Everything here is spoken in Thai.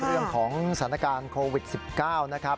เรื่องของสถานการณ์โควิด๑๙นะครับ